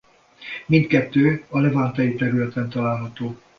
Mindkettő a levantei területen található.